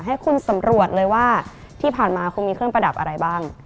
ให้คุณสำรวจเลยว่าที่ผ่านมาคุณมีเครื่องประดับอะไรบ้าง